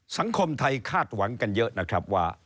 สังคมไทยคาดหวังกันเยอะนะครับว่า